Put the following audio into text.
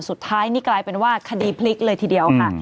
สุดท้ายนี่กลายเป็นว่าคดีพลิกเลยทีเดียวค่ะ